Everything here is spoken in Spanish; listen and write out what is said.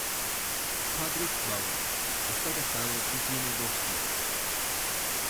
Patrick Baudry está casado y tiene dos hijos.